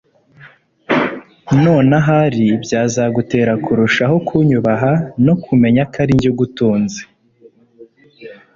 none ahari byazagutera kurushaho kunyubaha no kumenya ko ari njye ugutunze